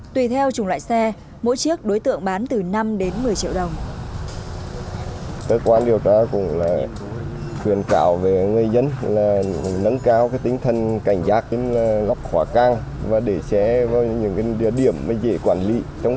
tùy theo chủng loại xe mỗi chiếc đối tượng bán từ năm đến một mươi triệu đồng